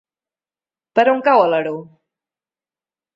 Per on cau Alaró?